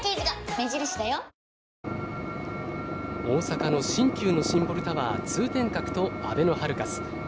大阪の新旧のシンボルタワー通天閣とあべのハルカス。